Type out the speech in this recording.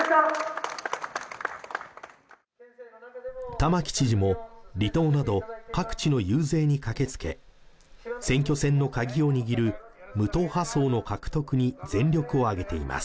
玉城知事も離島など各地の遊説に駆けつけ選挙戦のカギを握る無党派層の獲得に全力を挙げています